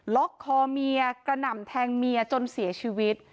ล็อกคอเมียกระหน่ำแทงเมียจนเสียชีวิต